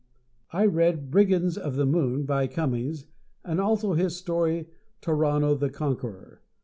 I read "Brigands of the Moon," by Cummings, and also his story, "Tarrano the Conqueror."